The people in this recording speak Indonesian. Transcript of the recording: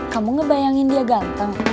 kamu ngebayangin dia ganteng